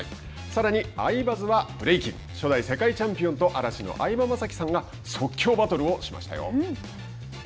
さらに「アイバズ」はブレイキン世界初代チャンピオンと嵐の相葉雅紀さんが即興バトルをしましたよ。